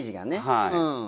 はい。